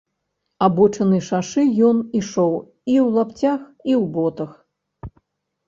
Абочынай шашы ён ішоў і ў лапцях, і ў ботах.